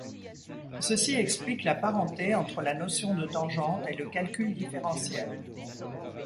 Ceci explique la parenté entre la notion de tangente et le calcul différentiel.